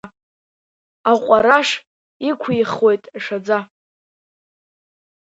Аҟәараш иқәихуеит ашәаӡа.